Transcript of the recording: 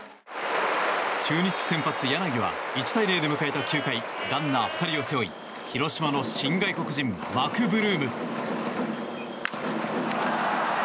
中日先発、柳は１対０で迎えた９回ランナー２人を背負い広島の新外国人、マクブルーム。